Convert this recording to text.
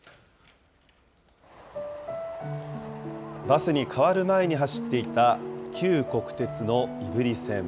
バスに代わる前に走っていた旧国鉄の胆振線。